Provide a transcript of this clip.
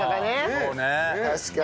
そうね。